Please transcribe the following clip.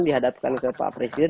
dihadapkan ke pak presiden